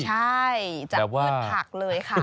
ใช่จากพืชผักเลยค่ะ